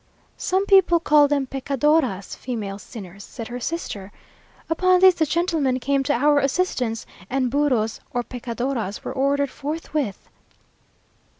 "Some people call them pecadoras," (female sinners!) said her sister. Upon this, the gentlemen came to our assistance, and burros or pecadoras were ordered forthwith.